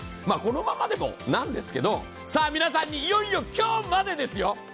まあこのままでもなんですけどさあ皆さんにいよいよ今日までですよ。